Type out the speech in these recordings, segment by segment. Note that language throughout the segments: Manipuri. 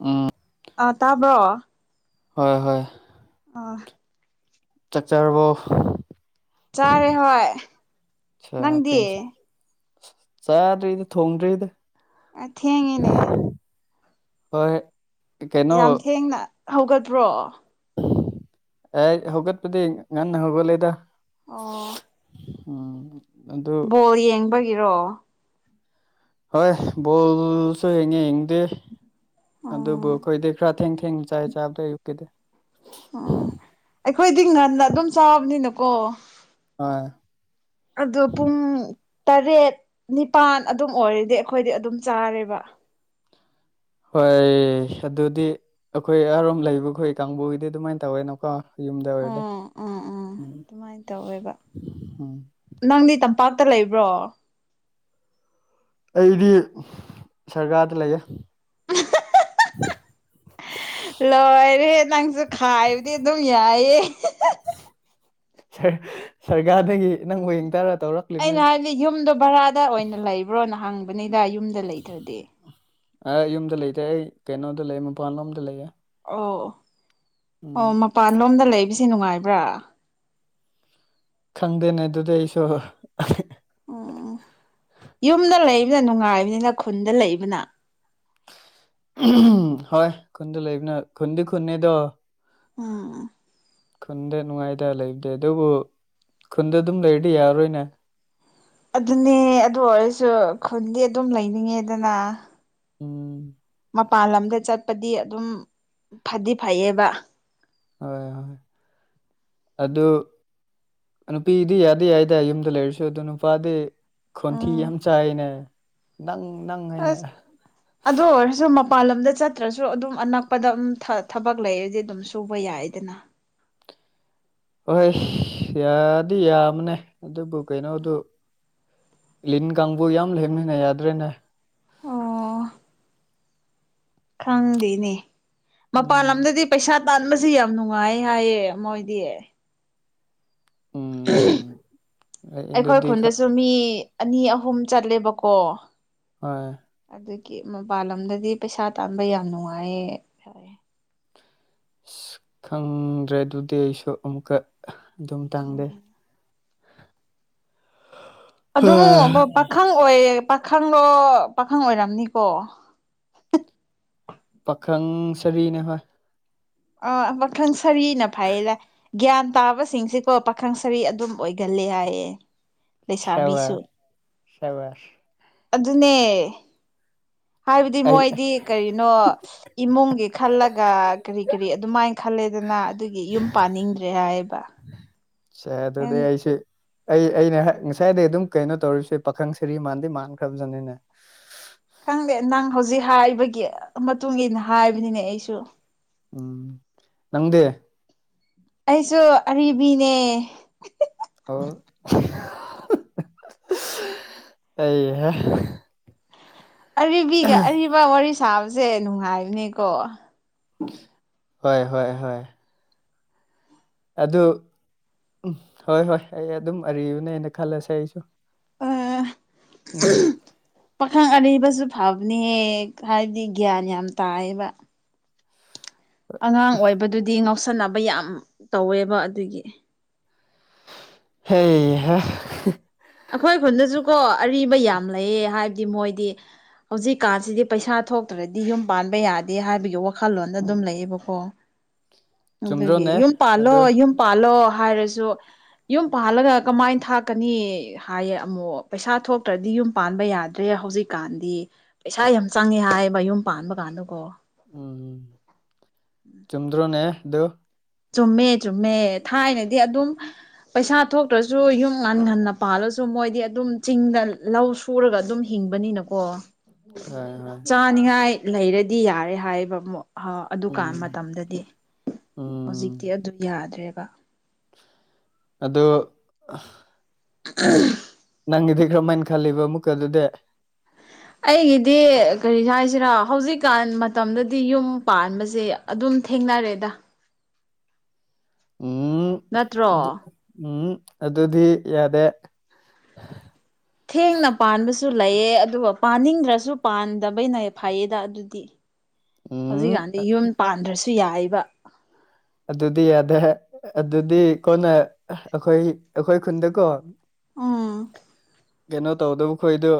ꯎꯝ ꯑꯥ ꯇꯥꯕ꯭ꯔꯣ ꯍꯣꯏ ꯍꯣꯏ ꯑ ꯆꯥꯛꯆꯔꯕꯣ ꯆꯥꯔꯦ ꯍꯣꯏ ꯅꯪꯗꯤ ꯆꯗ꯭ꯔꯤꯗ ꯊꯣꯡꯗ꯭ꯔꯤꯗ ꯑ ꯊꯦꯡꯉꯦꯅꯦ ꯍꯣꯏ ꯀꯩꯅꯣ ꯌꯥꯝ ꯊꯦꯡꯅ ꯍꯧꯒꯠꯇ꯭ꯔꯣ ꯑꯦ ꯍꯧꯒꯠꯄꯗꯤ ꯉꯥꯟꯅ ꯍꯧꯒꯠ ꯂꯩꯗ ꯑꯣ ꯎꯝ ꯑꯗꯨ ꯕꯣꯜ ꯌꯦꯡꯕꯒꯤꯔꯣ ꯍꯣꯏ ꯕꯣꯜꯁꯨ ꯌꯦꯡꯉꯦ ꯌꯦꯡꯗꯦ ꯑꯣ ꯑꯗꯨꯕꯨ ꯑꯩꯈꯣꯏꯗꯤ ꯈꯔ ꯊꯦꯡ ꯊꯦꯡ ꯆꯥꯏ ꯆꯥꯕꯗ ꯑꯌꯨꯛꯀꯤꯗꯤ ꯑꯣ ꯑꯩꯈꯣꯏꯗꯤ ꯉꯟꯅ ꯑꯗꯨꯝ ꯆꯥꯕꯅꯤꯅꯀꯣ ꯍꯣꯏ ꯑꯗꯣ ꯄꯨꯡ ꯇꯔꯦꯠ ꯅꯤꯄꯥꯜ ꯑꯗꯨꯝ ꯑꯣꯏꯔꯗꯤ ꯑꯩꯈꯣꯏꯗꯤ ꯑꯗꯨꯝ ꯆꯥꯔꯦꯕ ꯍꯣꯏ ꯑꯗꯨꯗꯤ ꯑꯩꯈꯣꯏ ꯑꯔꯣꯝ ꯂꯩꯕꯈꯣꯏ ꯀꯥꯡꯕꯨꯒꯤꯗꯤ ꯑꯗꯨꯃꯥꯏꯅ ꯇꯧꯋꯦꯅꯣꯀꯣ ꯎꯝ ꯎꯝ ꯎꯝ ꯑꯗꯨꯃꯥꯏꯅ ꯇꯧꯋꯦꯕ [unintelligible] ꯎꯝ ꯅꯪꯗꯤ ꯇꯝꯄꯥꯛꯇ ꯂꯩꯕ꯭ꯔꯣ ꯑꯩꯗꯤ ꯁꯔꯀꯥꯔꯗ ꯂꯩꯌꯦ [inaudible] ꯂꯣꯏꯔꯦꯍꯦ ꯅꯪꯁꯨ ꯈꯥꯏꯕꯗꯤ ꯑꯗꯨꯝ ꯌꯥꯏꯌꯦ ꯁꯔꯒꯥꯗꯒꯤ ꯅꯪꯕꯨ ꯌꯦꯡ ꯇꯔ ꯇꯧꯔꯣ ꯑꯩꯅ ꯍꯥꯏꯗꯤ ꯌꯨꯝꯗꯣ ꯚꯔꯥꯗ ꯑꯣꯏꯅ ꯂꯩꯕ꯭ꯔꯣꯅ ꯍꯪꯕꯅꯤꯗ ꯌꯨꯝꯗ ꯂꯩꯇ꯭ꯔꯗꯤ ꯑ ꯌꯨꯝꯗ ꯂꯩꯇꯦ ꯑꯩ ꯀꯩꯅꯣꯗ ꯂꯩ ꯃꯄꯥꯟꯂꯣꯝꯗ ꯂꯩꯌꯦ ꯑꯣ ꯎꯝ ꯑꯣ ꯃꯄꯥꯟ ꯂꯣꯝꯗ ꯂꯩꯕꯁꯤ ꯅꯨꯡꯉꯥꯏꯕ꯭ꯔꯥ ꯈꯪꯗꯦꯅꯦ ꯑꯗꯨꯗꯤ ꯑꯩꯁꯨ ꯎꯝ ꯌꯨꯝꯗ ꯂꯩꯕꯅ ꯅꯨꯡꯉꯥꯏꯕꯅꯤꯅ ꯈꯨꯟꯗ ꯂꯩꯕꯅ ꯍꯣꯏ ꯈꯨꯟꯗ ꯂꯩꯕꯅ ꯈꯨꯟꯗꯤ ꯈꯨꯟꯅꯦꯗꯣ ꯎꯝ ꯈꯨꯟꯗ ꯅꯨꯡꯉꯥꯏꯇ ꯂꯩꯕꯗꯦ ꯑꯗꯨꯕꯨ ꯈꯨꯟꯗ ꯑꯗꯨꯝ ꯂꯩꯔꯗꯤ ꯌꯥꯔꯔꯣꯏꯅꯦ ꯑꯗꯨꯅꯦ ꯑꯗꯨ ꯑꯣꯏꯔꯁꯨ ꯈꯨꯟꯗꯤ ꯑꯗꯨꯝ ꯂꯩꯅꯤꯡꯉꯦꯗꯅ ꯎꯝ ꯃꯄꯥꯟ ꯂꯝꯗ ꯆꯠꯄꯗꯤ ꯑꯗꯨꯝ ꯐꯗꯤ ꯐꯩꯌꯦꯕ ꯍꯣꯏ ꯍꯣꯏ ꯑꯗꯨ ꯅꯨꯄꯤꯗꯤ ꯌꯥꯗꯦ ꯌꯥꯏꯗ ꯌꯨꯝꯗ ꯂꯩꯔꯁꯨ ꯑꯗꯣ ꯅꯨꯄꯥꯗꯤ ꯈꯣꯟꯊꯤ ꯎꯝ ꯌꯥꯝ ꯆꯥꯏꯅꯦ ꯅꯪ ꯅꯪ ꯍꯥꯏꯅ ꯑꯁ ꯑꯗꯨ ꯑꯣꯏꯔꯁꯨ ꯃꯄꯥꯟ ꯂꯝꯗ ꯆꯠꯇ꯭ꯔꯁꯨ ꯑꯗꯨꯝ ꯑꯅꯛꯄꯗ ꯑꯗꯨꯝ ꯊꯕꯛ ꯂꯩ ꯍꯧꯖꯤ ꯑꯗꯨꯝ ꯁꯨꯕ ꯌꯥꯏꯗꯅ ꯍꯣꯏ ꯌꯥꯗꯤ ꯌꯥꯕꯅꯦ ꯑꯗꯨꯕꯨ ꯀꯩꯅꯣꯗꯨ ꯂꯤꯟ ꯀꯥꯡꯕꯨ ꯌꯥꯝ ꯂꯦꯡꯃꯤꯟꯅ ꯌꯥꯗ꯭ꯔꯦꯅꯦ ꯑꯣ ꯈꯪꯗꯦꯅꯦ ꯎꯝ ꯃꯄꯥꯟ ꯂꯝꯗꯗꯤ ꯄꯩꯁꯥ ꯇꯥꯟꯕꯁꯦ ꯌꯥꯝ ꯅꯨꯡꯉꯥꯏ ꯍꯥꯏꯌꯦ ꯃꯣꯏꯗꯤ ꯎꯝ ꯑꯩꯈꯣꯏ ꯑꯗꯨꯗꯤ ꯈꯨꯟꯗꯁꯨ ꯃꯤ ꯑꯅꯤ ꯑꯍꯨꯝ ꯆꯠꯂꯦꯕꯀꯣ ꯍꯣꯏ ꯑꯗꯨꯒꯤ ꯃꯄꯥꯟ ꯂꯝꯣꯗꯗꯤ ꯄꯩꯁꯥ ꯇꯥꯟꯕ ꯌꯥꯝ ꯅꯨꯡꯉꯥꯏꯌꯦ ꯍꯥꯏ ꯑꯁ ꯈꯪꯗ꯭ꯔꯦ ꯑꯗꯨꯗꯤ ꯑꯩꯁꯨ ꯑꯃꯨꯛꯀ ꯑꯗꯨꯝ ꯇꯥꯡꯗꯤ ꯎꯝ ꯑꯗꯨꯝ ꯄ ꯄꯥꯈꯪ ꯑꯣꯏꯌꯦ ꯄꯥꯈꯪꯂꯣ ꯄꯥꯈꯪ ꯑꯣꯏꯔꯝꯅꯤꯀꯣ ꯄꯥꯈꯪ ꯁꯔꯤꯅꯦ ꯍꯣꯏ ꯑꯥ ꯃꯈꯡ ꯁꯔꯤꯅ ꯐꯩꯌꯦꯗ ꯒ꯭ꯌꯥꯟ ꯇꯥꯕꯁꯤꯡꯁꯤꯀꯣ ꯄꯥꯈꯪ ꯁꯔꯤ ꯑꯗꯨꯝ ꯑꯣꯏꯒꯜꯂꯦ ꯍꯥꯏꯌꯦ ꯁꯕꯥꯁ ꯂꯩꯁꯥꯕꯤꯁꯨ ꯁꯕꯥꯁ ꯑꯗꯨꯅꯦ ꯍꯥꯏꯕꯗꯤ ꯑꯩ ꯃꯣꯏꯗꯤ ꯀꯔꯤꯅꯣ ꯏꯃꯨꯡꯒꯤ ꯈꯜꯂꯒ ꯀꯔꯤ ꯀꯔꯤ ꯑꯗꯨꯃꯥꯏ ꯈꯜꯂꯦꯗꯅ ꯑꯗꯨꯒꯤ ꯌꯨꯝ ꯄꯥꯟꯅꯤꯡꯗ꯭ꯔꯦ ꯍꯥꯏꯌꯦꯕ ꯁꯦ ꯑꯗꯨꯗꯤ ꯑꯩꯁꯤ ꯑꯩ ꯑꯩꯅ ꯉꯁꯥꯏꯗꯩ ꯑꯗꯨꯝ ꯀꯩꯅꯣ ꯇꯧꯔꯤꯕꯁꯦ ꯄꯥꯈꯪ ꯁꯔꯤ ꯃꯥꯟꯗꯤ ꯃꯥꯟꯈ꯭ꯔꯕꯖꯥꯅꯤꯅꯦ ꯈꯪꯗꯦ ꯅꯪ ꯍꯧꯖꯤꯛ ꯍꯥꯏꯕꯒꯤ ꯃꯇꯨꯡ ꯏꯟꯅ ꯍꯥꯏꯕꯅꯤꯅꯦ ꯑꯩꯁꯨ ꯎꯝ ꯅꯪꯗꯤ ꯑꯩꯁꯨ ꯑꯔꯤꯕꯤꯅꯦ ꯑꯣ ꯑꯩꯍꯥ ꯑꯔꯤꯕꯤꯒ ꯑꯔꯤꯕ ꯋꯥꯔꯤ ꯁꯥꯕꯁꯦ ꯅꯨꯡꯉꯥꯏꯕꯅꯦꯀꯣ ꯍꯣꯏ ꯍꯣꯏ ꯍꯣꯏ ꯑꯗꯨ ꯎꯝ ꯍꯣꯏ ꯍꯣꯏ ꯑꯩ ꯑꯗꯨꯝ ꯑꯔꯤꯕꯅꯦꯅ ꯈꯜꯂꯁꯦ ꯑꯩꯁꯨ ꯎꯝ [inaudible] ꯄꯥꯈꯪ ꯑꯔꯤꯕꯁꯨ ꯐꯕꯅꯦꯍꯦ ꯍꯥꯏꯕꯗꯤ ꯒ꯭ꯌꯥꯟ ꯌꯥꯝ ꯇꯥꯏꯌꯦꯕ ꯑꯉꯥꯡ ꯑꯣꯏꯕꯗꯨꯗꯤ ꯉꯥꯎꯁꯟꯅꯕ ꯌꯥꯝ ꯇꯧꯋꯦꯕ ꯑꯗꯨꯒꯤ ꯍꯦꯍꯥ ꯑꯩꯈꯣꯏ ꯈꯨꯟꯗꯁꯨ ꯀꯣ ꯑꯔꯤꯕ ꯌꯥꯝ ꯂꯩꯌꯦ ꯍꯥꯏꯕꯗꯤ ꯃꯣꯏꯗꯤ ꯍꯧꯖꯤꯛꯀꯥꯟꯁꯤꯗꯤ ꯄꯩꯁꯥ ꯊꯣꯛꯇ꯭ꯔꯗꯤ ꯌꯨꯝ ꯄꯥꯟꯕ ꯌꯥꯗꯦ ꯍꯥꯏꯕꯒꯤ ꯋꯥꯈꯜꯂꯣꯟꯗ ꯑꯗꯨꯝ ꯂꯩꯌꯦꯕꯀꯣ [inaudible] ꯑꯗꯨꯒꯤ ꯆꯨꯝꯗ꯭ꯔꯣꯅꯦ ꯌꯨꯝ ꯄꯥꯜꯂꯣ ꯑꯗꯨ ꯌꯨꯝ ꯄꯥꯜꯂꯣ ꯍꯥꯏꯔꯁꯨ ꯌꯨꯝ ꯄꯥꯜꯂꯒ ꯀꯃꯥꯏ ꯊꯥꯛꯀꯅꯤ ꯍꯥꯏꯌꯦ ꯑꯃꯨꯛ ꯄꯩꯁꯥ ꯊꯣꯛꯇ꯭ꯔꯗꯤ ꯌꯨꯝ ꯄꯥꯟꯕ ꯌꯥꯗ꯭ꯔꯦ ꯍꯧꯖꯤꯛꯀꯥꯟꯗꯤ ꯄꯩꯁꯥ ꯌꯥꯝ ꯆꯪꯉꯦ ꯍꯥꯏꯌꯦꯕ ꯌꯨꯝ ꯄꯥꯟꯕꯀꯥꯟꯗꯀꯣ ꯎꯝ ꯆꯨꯝꯗ꯭ꯔꯣꯅꯦ ꯑꯗꯨ ꯆꯨꯝꯃꯦ ꯆꯨꯝꯃꯦ ꯊꯥꯏꯅꯗꯤ ꯑꯗꯨꯝ ꯄꯩꯁꯥ ꯊꯣꯛꯇ꯭ꯔꯁꯨ ꯌꯨꯝ ꯉꯟ ꯉꯟꯅ ꯄꯥꯜꯂꯁꯨ ꯃꯣꯏꯗꯤ ꯑꯗꯨꯝ ꯆꯤꯡꯗ ꯂꯧ ꯍꯨꯔꯒ ꯑꯗꯨꯝ ꯍꯤꯡꯕꯅꯤꯅꯀꯣ ꯍꯣꯏ ꯍꯣꯏ ꯆꯥꯅꯤꯡꯉꯥꯏ ꯂꯩꯔꯗꯤ ꯌꯥꯔꯦ ꯍꯥꯏꯌꯦꯕ ꯃꯣꯛ ꯍ ꯑꯗꯨꯀꯥꯟ ꯎꯝ ꯃꯇꯝꯗꯗꯤ ꯍꯧꯖꯤꯛꯇꯤ ꯑꯗꯨ ꯌꯥꯗ꯭ꯔꯦꯕ ꯑꯗꯣ [unintelligible] ꯅꯪꯒꯤꯗꯤ ꯀꯔꯝꯍꯥꯏꯅ ꯈꯜꯂꯤꯕ ꯑꯃꯨꯛꯀ ꯑꯗꯨꯗꯤ ꯑꯩꯒꯤꯗꯤ ꯀꯔꯤ ꯍꯥꯏꯁꯤꯔꯥ ꯍꯧꯖꯤꯛꯀꯥꯟ ꯃꯇꯝꯗꯗꯤ ꯌꯨꯝ ꯄꯥꯟꯕꯁꯦ ꯑꯗꯨꯝ ꯊꯦꯡꯅꯔꯦꯗ ꯎꯝ ꯅꯠꯇ꯭ꯔꯣ ꯑꯗꯨ ꯎꯝ ꯑꯗꯨꯗꯤ ꯌꯥꯗꯦ ꯊꯦꯡꯅ ꯄꯥꯟꯕꯁꯨ ꯂꯩꯌꯦ ꯑꯗꯨꯒ ꯄꯥꯅꯤꯡꯗ꯭ꯔꯁꯨ ꯄꯥꯟꯗꯕꯩꯅ ꯐꯩꯌꯦꯗ ꯑꯗꯨꯗꯤ ꯎꯝ ꯍꯧꯖꯤꯛꯀꯥꯟꯗꯤ ꯌꯨꯝ ꯄꯥꯟꯗ꯭ꯔꯁꯨ ꯌꯥꯏꯕ ꯑꯗꯨꯗꯤ ꯌꯥꯗꯦ ꯑꯗꯨꯗꯤ ꯀꯣꯟꯅ ꯑꯩꯈꯣꯏ ꯑꯩꯈꯣꯏ ꯈꯨꯟꯗꯀꯣ ꯎꯝ ꯀꯩꯅꯣ ꯇꯧꯗꯕ ꯈꯣꯏꯗꯣ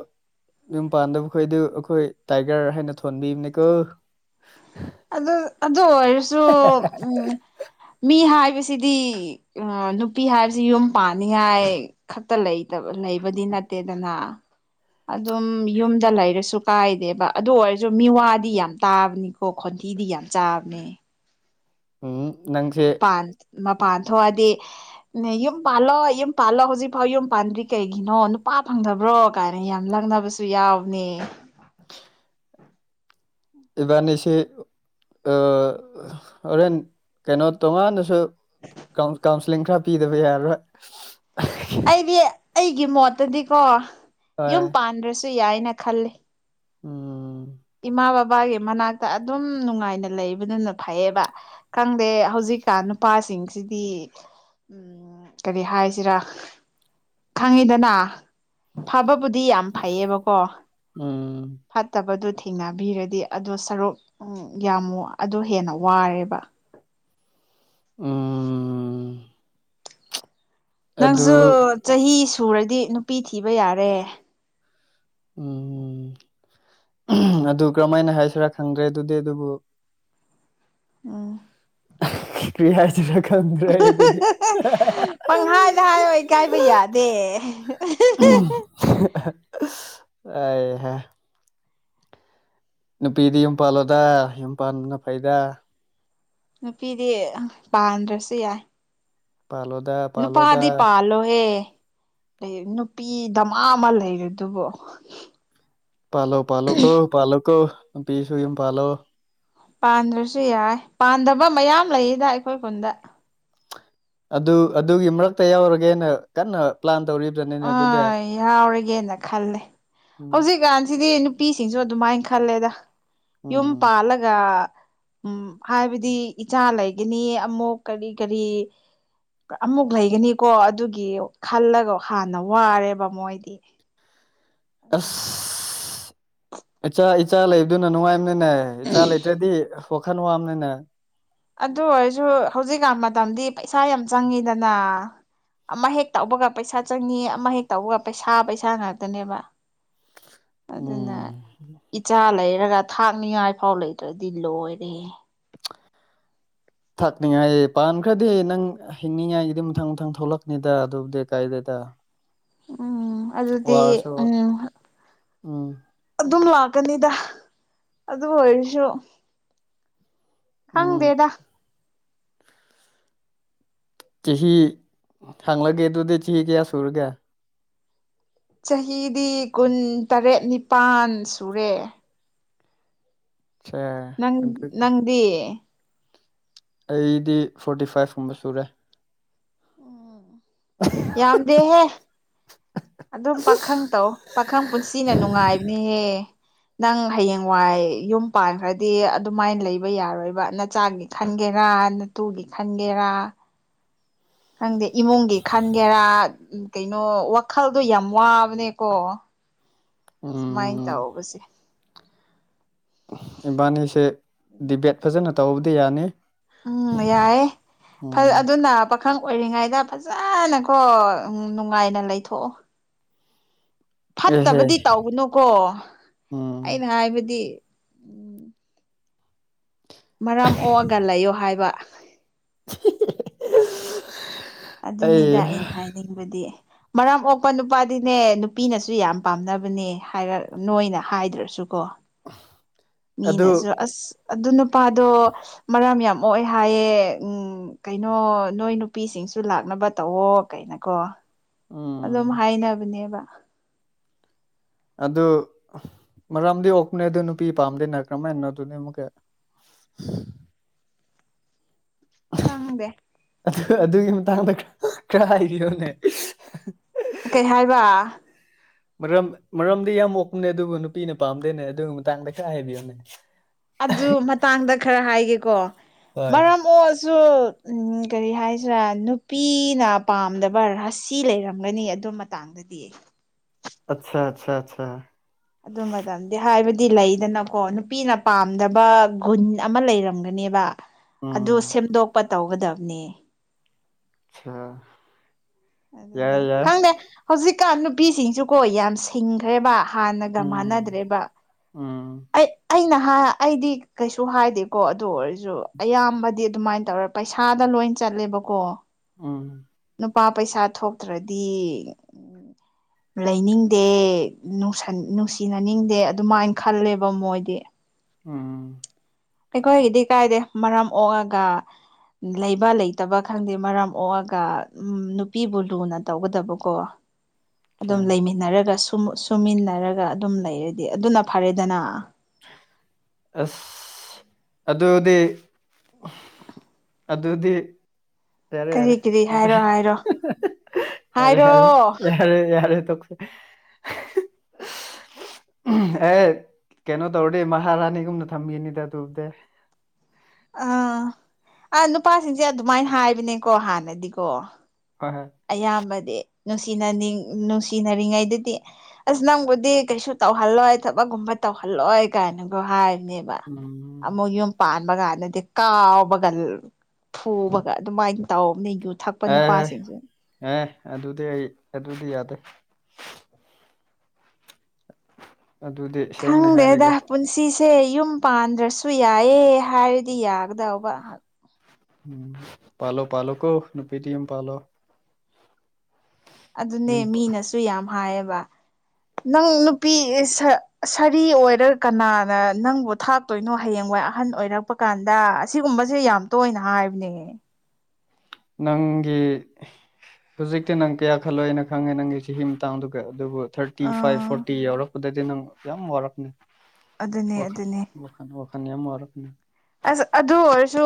ꯌꯨꯝ ꯄꯥꯟꯗꯕ ꯈꯣꯏꯗꯨ ꯑꯩꯈꯣꯏ ꯇꯥꯏꯒ꯭ꯔ ꯍꯥꯏꯅ ꯊꯣꯟꯕꯤꯕꯅꯦꯀꯣ ꯑꯗꯨ ꯑꯗꯨ ꯑꯣꯏꯔꯁꯨ ꯎꯝ ꯃꯤ ꯍꯥꯏꯕꯁꯤꯗꯤ ꯎꯝ ꯅꯨꯄꯤ ꯍꯥꯏꯕꯁꯤ ꯌꯨꯝ ꯄꯥꯟꯅꯤꯉꯥꯏ ꯈꯛꯇ ꯂꯩꯇꯕ ꯂꯩꯕꯗꯤ ꯅꯠꯇꯦꯗꯅ ꯑꯗꯨꯝ ꯌꯨꯝꯗ ꯂꯩꯔꯁꯨ ꯀꯥꯏꯗꯦꯕ ꯑꯗꯨ ꯑꯣꯏꯔꯁꯨ ꯃꯤꯋꯥꯗꯤ ꯌꯥꯝ ꯇꯥꯕꯅꯤ ꯍꯣ ꯈꯣꯟꯊꯤꯗꯤ ꯌꯥꯝ ꯆꯥꯕꯅꯦ ꯎꯝ ꯅꯪꯁꯦ꯫ ꯄꯥꯟ ꯃꯄꯥꯟ ꯊꯣꯛꯑꯗꯤ ꯅ ꯌꯨꯝ ꯄꯥꯜꯂꯣ ꯌꯨꯝ ꯄꯥꯜꯂꯣ ꯍꯧꯖꯤꯛꯐꯥꯎ ꯌꯨꯝ ꯄꯥꯟꯗ꯭ꯔꯤ ꯀꯩꯒꯤꯅꯣ ꯅꯨꯄꯥ ꯐꯪꯗꯕ꯭ꯔꯣ ꯀꯥꯏꯅ ꯌꯥꯝ ꯂꯛꯅꯕꯁꯨ ꯌꯥꯎꯕꯅꯤ꯫ ꯏꯕꯥꯅꯤꯁꯤ ꯑ ꯍꯣꯔꯦꯟ ꯀꯩꯅꯣ ꯇꯣꯉꯥꯟꯅꯁꯨ ꯀꯥꯎꯟ ꯀꯥꯎꯟꯁꯤꯂꯤꯡ ꯈꯔ ꯄꯤꯗꯕ ꯌꯥꯔꯔꯣꯏ ꯑꯩꯗꯤ ꯑꯩꯒꯤ ꯃꯣꯠꯇꯗꯤꯀꯣ ꯍꯣꯏ ꯌꯨꯝ ꯄꯥꯟꯗ꯭ꯔꯁꯨ ꯌꯥꯏꯅ ꯈꯜꯂꯤ꯫ ꯎꯝ ꯏꯃꯥ ꯕꯕꯥꯒꯤ ꯃꯅꯥꯛꯇ ꯑꯗꯨꯝ ꯅꯨꯡꯉꯥꯏꯅ ꯂꯩꯕꯗꯨꯅ ꯐꯩꯌꯦꯕ꯫ ꯈꯪꯗꯦ ꯍꯧꯖꯤꯛꯀꯥꯟ ꯅꯨꯄꯥꯁꯤꯡꯁꯤꯗꯤ꯫ ꯀꯔꯤ ꯍꯥꯏꯁꯤꯔꯥ ꯈꯪꯉꯤꯗꯅ ꯐꯕꯕꯨꯗꯤ ꯌꯥꯝ ꯐꯩꯌꯦꯕꯀꯣ ꯎꯝ ꯐꯠꯇꯕꯗꯨꯗꯤ ꯊꯦꯡꯅꯕꯤꯔꯗꯤ ꯑꯗꯣ ꯁꯔꯨꯛ ꯌꯥꯝꯃꯨ ꯑꯗꯣ ꯍꯦꯟꯅ ꯋꯥꯔꯦꯕ ꯎꯝ ꯅꯪꯁꯨ ꯑꯗꯨ ꯆꯍꯤ ꯁꯨꯔꯗꯤ ꯅꯨꯄꯤ ꯊꯤꯕ ꯌꯥꯔꯦ꯫ ꯎꯝ ꯑꯗꯨ ꯀꯔꯝꯍꯥꯏꯅ ꯍꯥꯏꯁꯤꯔꯥ ꯈꯪꯗ꯭ꯔꯦ ꯑꯗꯨꯗꯤ ꯑꯗꯨꯕꯨ ꯎꯝ ꯀꯔꯤ ꯍꯥꯏꯁꯤꯔ ꯗꯨꯗꯤ ꯄꯪꯍꯥꯏꯗ ꯍꯥꯏꯌꯣ ꯏꯀꯥꯏꯕ ꯌꯥꯗꯦ꯫ [unintelligible] ꯅꯨꯄꯤꯗꯤ ꯌꯨꯝ ꯄꯥꯜꯂꯣꯗ ꯌꯨꯝ ꯄꯥꯟꯕꯅ ꯐꯩꯗ ꯅꯨꯄꯤꯗꯤ ꯄꯥꯟꯗ꯭ꯔꯁꯨ ꯌꯥꯏ ꯄꯜꯂꯣꯗ ꯅꯨꯄꯥꯥꯗꯤ ꯄꯥꯜꯂꯣ ꯍꯦ꯫ ꯀꯩ ꯅꯨꯄꯤ ꯗꯃ ꯑꯃ ꯂꯩꯔꯗꯨꯕꯣ ꯄꯥꯜꯂꯣ ꯄꯥꯜꯂꯣ ꯀꯣ ꯄꯥꯜꯂꯣ ꯀꯣ ꯅꯨꯄꯤꯁꯨ ꯌꯨꯝ ꯄꯥꯜꯂꯣ꯫ ꯄꯥꯟꯗ꯭ꯔꯁꯨ ꯌꯥꯏ ꯄꯥꯟꯗꯕ ꯃꯌꯥꯝ ꯂꯩꯌꯦꯗ ꯑꯩꯈꯣꯏ ꯈꯨꯟꯗ ꯑꯗꯨ ꯑꯗꯨꯒꯤ ꯃꯔꯛꯇ ꯌꯥꯎꯔꯒꯦꯅ ꯀꯟꯅ ꯄ꯭ꯂꯥꯟ ꯇꯧꯔꯤ ꯑ ꯌꯥꯎꯔꯒꯦꯅ ꯈꯜꯂꯦ ꯎꯝ ꯍꯧꯖꯤꯛꯀꯥꯟꯁꯤꯗꯤ ꯅꯨꯞ ꯅꯨꯄꯤꯁꯤꯡꯁꯨ ꯑꯗꯨꯃꯥꯏꯅ ꯈꯜꯂꯦꯗ ꯌꯨꯝ ꯎꯝ ꯄꯥꯜꯂꯒ ꯎꯝ ꯍꯥꯏꯕꯗꯤ ꯏꯆꯥ ꯂꯩꯒꯅꯤ ꯑꯃꯨꯛ ꯀꯔꯤ ꯀꯔꯤ ꯑꯃꯨꯛ ꯂꯩꯒꯅꯤꯀꯣ ꯑꯗꯨꯒꯤ ꯈꯜꯂꯒ ꯍꯥꯟꯅ ꯋꯥꯔꯦꯕ ꯃꯣꯏꯗꯤ꯫ ꯑ ꯑꯗꯨꯅ ꯑꯆꯥ ꯏꯆꯥ ꯂꯩꯕꯗꯨꯅ ꯅꯨꯡꯉꯥꯏꯕꯅꯤꯅꯦ ꯏꯆꯥ ꯂꯩꯇ꯭ꯔꯗꯤ ꯋꯥꯈꯜ ꯋꯥꯕꯅꯤꯅꯦ꯫ ꯑꯗꯨ ꯑꯣꯏꯔꯁꯨ ꯍꯧꯖꯤꯛꯀꯥꯟ ꯃꯇꯝꯗꯤ ꯄꯩꯁꯥ ꯌꯥꯝ ꯆꯪꯉꯤꯗꯅ ꯑꯃ ꯍꯦꯛ ꯇꯧꯕꯒ ꯄꯩꯁꯥ ꯆꯪꯉ ꯑꯃ ꯍꯦꯛ ꯇꯧꯕꯒ ꯄꯩꯁꯥ ꯄꯩꯁꯥ ꯉꯥꯛꯇꯅꯦꯕ [inaudible] ꯑꯗꯨꯅ ꯎꯝ ꯏꯆꯥ ꯂꯩꯔꯒ ꯊꯥꯛꯅꯤꯉꯥꯏ ꯐꯥꯎ ꯂꯩꯇ꯭ꯔꯗꯤ ꯂꯣꯏꯔꯦ꯫ ꯊꯛꯅꯤꯡꯉꯥꯏ ꯄꯥꯟꯈ꯭ꯔꯗꯤ ꯅꯪ ꯍꯤꯡꯅꯤꯡꯉꯥꯏꯒꯤꯗꯤ ꯃꯊꯪ ꯃꯊꯪ ꯊꯣꯛꯂꯛꯅꯤꯗ ꯑꯗꯨꯕꯨꯗꯤ ꯀꯥꯏꯗꯗ ꯎꯝ ꯑꯗꯨꯗꯤ ꯎꯝ ꯎꯝ ꯑꯗꯨꯝ ꯂꯥꯛꯀꯅꯤꯗ ꯑꯗꯨ ꯑꯣꯏꯔꯁꯨ ꯎꯝ ꯍꯪꯗꯦꯗꯥ꯫ ꯆꯍꯤ ꯍꯥꯡꯪꯂꯒꯦ ꯑꯗꯨꯗꯤ ꯆꯍꯤ ꯀꯌꯥ ꯁꯨꯔꯒꯦ꯫ ꯆꯍꯤꯗꯤ ꯀꯨꯟ ꯇꯔꯦꯠ ꯅꯤꯄꯜ ꯁꯨꯔꯦ꯫ [unintelligible] ꯅꯪ ꯅꯪꯗꯤ꯫ ꯑꯩꯗꯤ ꯐꯣꯔꯇꯤ ꯐꯥꯏꯚꯀꯨꯝꯕ ꯁꯨꯔꯦ ꯎ ꯌꯥꯝꯗꯦꯍꯦ ꯑꯗꯨꯝ ꯄꯥꯈꯪ ꯇꯧ ꯄꯥꯈꯪ ꯄꯨꯟꯁꯤꯅ ꯅꯨꯡꯉꯥꯏꯕꯅꯦꯍꯦ ꯅꯪ ꯍꯌꯦꯡꯋꯥꯏ ꯌꯨꯝ ꯄꯥꯟꯈ꯭ꯔꯗꯤ ꯑꯗꯨꯃꯥꯏꯅ ꯂꯩꯕ ꯌꯥꯔꯣꯏꯕ ꯅ ꯆꯥꯡꯒꯤ ꯈꯟꯒꯦꯔꯥ ꯅꯠꯇꯨꯒꯤ ꯈꯟꯒꯦꯔꯥ ꯈꯪꯗꯦ ꯏꯃꯨꯡꯒꯤ ꯈꯟꯒꯦꯔꯥ ꯎ ꯀꯩꯅꯣ ꯋꯥꯈꯜꯗꯣ ꯌꯥꯝ ꯋꯥꯕꯅꯦꯀꯣ ꯁꯨꯃꯥꯏꯅ ꯎꯝ ꯇꯧꯕꯁꯦ ꯏꯕꯥꯅꯤꯁꯦ ꯗꯤꯕꯦꯠ ꯐꯖꯅ ꯇꯧꯕꯗꯤ ꯌꯥꯅꯤ ꯎꯝ ꯌꯥꯏꯦ ꯐ ꯎꯝ ꯑꯗꯨꯅ ꯑꯈꯪ ꯑꯣꯏꯔꯤꯉꯩꯗ ꯐꯖꯅꯀꯣ ꯅꯨꯡꯉꯥꯏꯅ ꯂꯩꯊꯣꯛꯑꯣ ꯑꯦꯍꯦ ꯐꯠꯇꯕꯗꯤ ꯇꯧꯒꯅꯨꯀꯣ ꯎꯝ ꯑꯩꯅ ꯍꯥꯏꯕꯗꯤ ꯃꯔꯥꯝ ꯑꯣꯛꯑꯒ ꯂꯩꯌꯣ ꯍꯥꯏꯕ [unintelligible] ꯑꯩ ꯑꯗꯨꯅꯤꯗ ꯑꯩꯅ ꯍꯥꯏꯅꯤꯡꯕꯗꯤ ꯃꯔꯝ ꯑꯣꯛꯄ ꯅꯨꯄꯥꯗꯤꯅꯦ ꯅꯨꯄꯤꯅꯁꯨ ꯌꯥꯝ ꯄꯥꯝꯅꯕꯅꯦ ꯍꯥꯏꯔ ꯅꯣꯏꯅ ꯍꯥꯏꯗ꯭ꯔꯁꯨꯀꯣ [unintelligible] ꯃꯤꯅꯁꯨ ꯑꯁ ꯑꯗꯨ ꯅꯨꯄꯥꯗꯣ ꯃꯔꯥꯝ ꯌꯥꯝ ꯑꯣꯑꯦ ꯍꯥꯏꯌꯦ ꯎꯝ ꯀꯩꯅꯣ ꯅꯣꯏ ꯅꯨꯄꯤꯁꯤꯡꯁꯨ ꯂꯥꯛꯅꯕ ꯇꯧꯋ ꯀꯩꯅꯀꯣ ꯎꯝ ꯑꯗꯨꯝ ꯍꯥꯏꯅꯕꯅꯦꯕ ꯑꯗꯨ ꯃꯔꯝꯗꯤ ꯑꯣꯛꯄꯅꯦ ꯑ ꯑꯗꯨ ꯅꯨꯄꯤ ꯄꯥꯝꯗꯅ ꯀꯝꯍꯥꯏꯅꯣ ꯑꯗꯨꯅꯤ ꯑꯃꯨꯛꯀ ꯑꯪꯗꯦ ꯑꯗꯨ ꯑꯗꯨꯒꯤ ꯃꯇꯥꯡꯗ ꯈꯔ ꯍꯥꯏꯕꯤꯌꯣꯅꯦ ꯀꯩ ꯍꯥꯏꯕ ꯃꯔꯝ ꯃꯔꯝꯗꯤ ꯌꯥꯝ ꯑꯣꯛꯄꯅꯦ ꯑꯗꯨꯕꯨ ꯅꯨꯄꯤꯅ ꯄꯥꯝꯗꯦꯅꯦ ꯑꯗꯨꯒꯤ ꯃꯇꯥꯡꯗ ꯈꯔ ꯍꯥꯏꯕꯤꯌꯝꯅꯦ [unintelligible] ꯑꯗꯨ ꯃꯇꯥꯡꯗ ꯈꯔ ꯍꯥꯏꯒꯦꯀꯣ ꯍꯣꯏ ꯃꯔꯝ ꯑꯣꯏ ꯁꯨ ꯀꯔꯤ ꯍꯥꯏꯁꯤꯔꯥ ꯅꯨꯄꯤꯅ ꯄꯥꯝꯗꯕ ꯔꯁꯤ ꯂꯩꯔꯝꯒꯅꯤ ꯑꯗꯨ ꯃꯇꯥꯡꯗ ꯅꯕꯗꯤꯌꯦ ꯑꯆꯥ ꯑꯆꯥ ꯑꯆꯥ ꯑꯗꯨ ꯃꯦꯗꯥꯝꯗꯤ ꯍꯥꯏꯕꯗꯤ ꯂꯩꯗꯅꯀꯣ ꯅꯨꯄꯤꯅ ꯄꯥꯝꯗꯕ ꯒꯨꯟ ꯑꯃ ꯂꯩꯔꯝꯒꯅꯦꯕ ꯑꯗꯨ ꯎꯝ ꯁꯦꯝꯗꯣꯛꯄ ꯇꯧꯒꯗꯕꯅꯤ ꯑꯆꯥ ꯑꯗꯨꯅꯦ ꯌꯥꯏ ꯌꯥꯏ ꯈꯪꯗꯦ ꯍꯧꯖꯤꯛꯀꯥꯟ ꯅꯨꯄꯤꯁꯤꯡꯁꯨꯀꯣ ꯌꯥꯝ ꯁꯤꯡꯈ꯭ꯔꯦꯕ ꯍꯥꯟꯅꯒ ꯎꯝ ꯃꯥꯟꯅꯗ꯭ꯔꯦꯕ ꯎꯝ ꯑꯩ ꯑꯩꯅ ꯑꯩꯗꯤ ꯀꯩꯁꯨ ꯍꯥꯏꯗꯦꯀꯣ ꯑꯗꯨ ꯑꯣꯏꯔꯁꯨ ꯑꯌꯥꯝꯕꯗꯤ ꯑꯗꯨꯃꯥꯏꯅ ꯇꯧꯔ ꯄꯩꯁꯥꯗ ꯂꯣꯏ ꯆꯠꯂꯦꯕꯀꯣ ꯎꯝ ꯅꯨꯄꯥ ꯄꯩꯁꯥ ꯊꯣꯛꯇ꯭ꯔꯗꯤ [inaudible] ꯂꯩꯅꯤꯡꯗꯦ ꯅꯨꯡ ꯅꯨꯡꯁꯤꯅꯅꯤꯡꯗꯦ ꯑꯗꯨꯃꯥꯏꯅ ꯈꯜꯂꯦꯕ ꯃꯣꯏꯗꯤ ꯎꯥ ꯑꯩꯈꯣꯏꯒꯤꯗꯤ ꯀꯥꯏꯗꯦ ꯃꯔꯝ ꯑꯣꯛꯑꯒ ꯂꯩꯕ ꯂꯩꯇꯕ ꯈꯪꯗꯦ ꯃꯔꯝ ꯑꯣꯑꯒ ꯎ ꯅꯨꯄꯤꯕꯨ ꯂꯨꯅ ꯇꯧꯒꯗꯕꯀꯣ [inaudible] ꯑꯗꯨꯝ ꯂꯩꯃꯤꯟꯅꯔꯒ ꯁꯨꯃꯤꯟꯅꯔꯒ ꯑꯗꯨꯝ ꯂꯩꯔꯗꯤ ꯑꯗꯨꯅ ꯐꯔꯦꯗꯅ ꯑꯁ ꯑꯗꯨꯗꯤ ꯑꯗꯨꯗꯤ ꯌꯥꯔꯦ ꯀꯔꯤ ꯌꯥꯔꯦ ꯀꯔꯤ ꯍꯥꯏꯔꯣ ꯍꯥꯏꯔꯣ [unintelligible] ꯔ ꯌꯥꯔꯦ ꯍꯥꯏꯔꯣ ꯌꯥꯔꯦ ꯌꯥꯔꯦ ꯌꯥꯔꯦ ꯇ [unintelligible] ꯑꯦ ꯀꯩꯅꯣ ꯇꯧꯔꯗꯦ ꯃꯍꯥꯔꯥꯅꯤꯒꯨꯝꯅ ꯊꯝꯈꯤꯅꯤꯗ ꯑꯗꯨꯕꯗ ꯑꯥ ꯑꯥ ꯅꯨꯄꯥꯁꯤꯡꯁꯦ ꯑꯗꯨꯃꯥꯏꯅ ꯍꯥꯏꯕꯅꯦꯀꯣ ꯍꯥꯟꯅꯗꯤꯀꯣ ꯍꯣꯏ ꯍꯣꯏ ꯑꯌꯥꯝꯕꯗꯤ ꯅꯨꯡꯁꯤꯅꯅꯤꯡ ꯅꯨꯡꯁꯤꯅꯔꯤꯉꯩꯗꯨꯗꯤ ꯑꯁ ꯅꯪꯕꯨꯗꯤ ꯀꯩꯁꯨ ꯇꯧꯍꯜꯂꯣꯏ ꯊꯕꯛꯒꯨꯝꯕ ꯇꯧꯍꯜꯂꯣꯏ ꯀꯥꯏꯅꯒ ꯍꯥꯏꯔꯤꯅꯦꯕ ꯎꯝ ꯑꯃꯨꯛ ꯌꯨꯝ ꯄꯥꯟꯕ ꯀꯥꯟꯗꯗꯤ ꯀꯥꯎꯕꯒ ꯐꯨꯕꯒ ꯑꯗꯨꯃꯥꯏꯅ ꯇꯧꯅꯦ ꯌꯨ ꯊꯛꯄ ꯑꯦ ꯅꯨꯄꯥꯁꯤꯡꯁꯦ ꯑꯦ ꯑꯗꯨꯗꯤ ꯑꯩ ꯑꯗꯨꯗꯤ ꯌꯥꯗꯦ ꯑꯗꯨꯗꯤ ꯁꯦꯡꯅ ꯍꯥꯏꯔꯒꯦ ꯈꯪꯗꯦꯗ ꯄꯨꯟꯁꯤꯁꯦ ꯌꯨꯝ ꯄꯥꯟꯗ꯭ꯔꯁꯨ ꯌꯥꯏꯌꯦ ꯍꯥꯏꯔꯗꯤ ꯌꯥꯒꯗꯧꯕ ꯎꯝ ꯄꯜꯣ ꯄꯜꯣ ꯀꯣ ꯅꯨꯄꯤꯇꯝ ꯄꯜꯣ ꯑꯗꯨꯅꯦ ꯌꯨꯝ ꯃꯤꯅꯁꯨ ꯌꯥꯝ ꯍꯥꯏꯌꯦꯕ ꯅꯪ ꯅꯨꯄꯤ ꯁꯥꯔꯤ ꯑꯣꯏꯔꯒ ꯀꯅꯥꯅ ꯅꯪꯕꯨ ꯊꯥꯛ ꯇꯣꯏꯅꯣ ꯍꯌꯦꯡ ꯋꯥꯏ ꯑꯍꯟ ꯑꯣꯏꯔꯛꯄ ꯀꯥꯟꯗ ꯑꯁꯤꯒꯨꯝꯕꯁꯦ ꯌꯥꯝ ꯇꯣꯏꯅ ꯍꯥꯏꯕꯅꯦ ꯅꯪꯒꯤ ꯍꯧꯖꯤꯛꯇꯤ ꯅꯪ ꯀꯌꯥ ꯈꯜꯂꯣ ꯍꯥꯏꯅ ꯈꯪꯉꯦ ꯅꯪꯒꯤ ꯆꯍꯤ ꯃꯇꯥꯡꯗꯨꯒ ꯑꯗꯨꯕꯨ ꯊꯥꯔꯇꯤ ꯐꯥꯏꯚ ꯑꯥ ꯐꯣꯔꯇꯤ ꯌꯥꯎꯔꯛꯄꯗꯗꯤ ꯅꯪ ꯌꯥꯝ ꯋꯥꯔꯛꯅꯦ ꯑꯗꯨꯅꯦ ꯑ ꯑꯗꯨꯅꯦ ꯈꯅꯅꯤ ꯌꯥꯝ ꯑꯃꯨꯔꯅ ꯑꯁ ꯑꯗꯨ ꯑꯣꯏꯔꯁꯨ